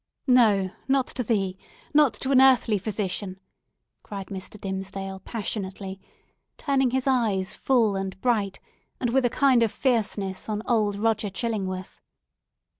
"No, not to thee! not to an earthly physician!" cried Mr. Dimmesdale, passionately, and turning his eyes, full and bright, and with a kind of fierceness, on old Roger Chillingworth.